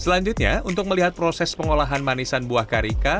selanjutnya untuk melihat proses pengolahan manisan buah karika